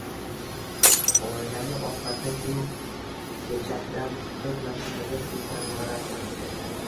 Oilani ovqatdan, kiyim-kechakdan siqib, mashinaga pul jamgʼaradi.